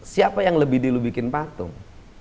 siapa yang lebih dilubikin patung